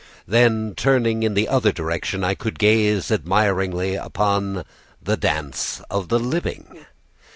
Then, turning in the other direction, I could gaze admiringly upon the dance of the living!